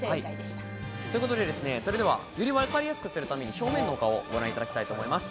ということで、それではよりわかりやすくするために正面の顔をご覧いただきたいと思います。